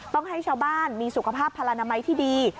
ต้องให้ชาวบ้านมีสุขภาพพลนามัยที่ดี